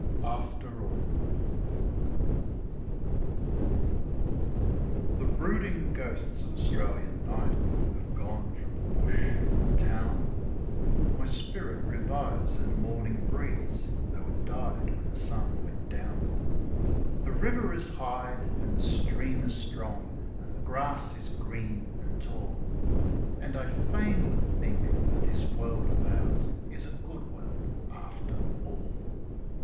'' After All The brooding ghosts of Australian night have gone from the bush and town; My spirit revives in the morning breeze, though it died when the sun went down; The river is high and the stream is strong, and the grass is green and tall, And I fain would think that this world of ours is a good world after all.